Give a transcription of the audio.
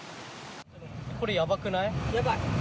これ、やばくない？